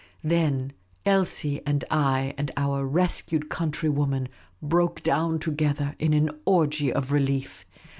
Then Elsie and I and our rescued countrywoman broke down together in an orgy of relief.